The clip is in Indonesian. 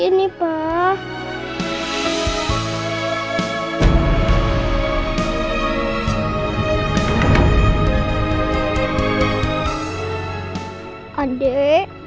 kamu bantu kakak